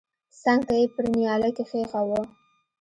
څنگ ته يې پر نيالۍ کښېښوه.